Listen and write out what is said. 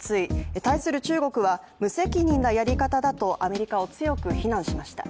対する中国は無責任なやり方だとアメリカを強く非難しました。